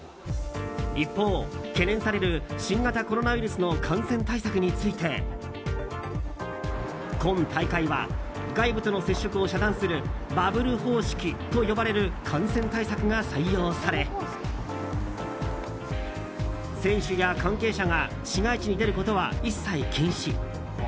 一方、懸念される新型コロナウイルスの感染対策について今大会は外部との接触を遮断するバブル方式と呼ばれる感染対策が採用され選手や関係者が市街地に出ることは、一切禁止。